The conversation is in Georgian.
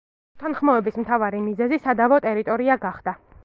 უთანხმოების მთავარი მიზეზი სადავო ტერიტორია გახდა.